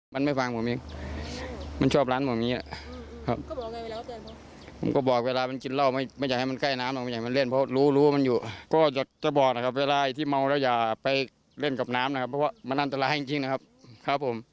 ครับผมก็เหมือนกับทุกน้องผมนะครับ